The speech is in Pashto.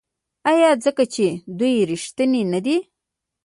آیا ځکه چې دوی ریښتیني نه دي؟